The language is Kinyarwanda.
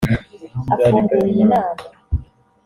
Afungura iyi nama